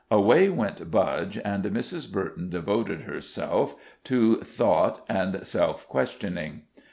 Away went Budge, and Mrs. Burton devoted herself to thought and self questioning.